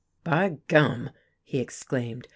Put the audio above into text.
"By gum!" he exclaimed.